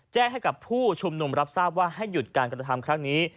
แจ้งให้กับผู้ชุมนุมรับทราบว่าให้หยุดการกระทำครั้งนี้